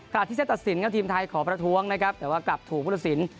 ขณะที่เซตตัดสินก็ทีมไทยขอประท้วงแต่ว่ากลับถูกผู้ตัดสิน